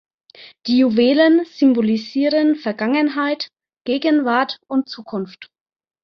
Die Juwelen symbolisieren Vergangenheit, Gegenwart und Zukunft.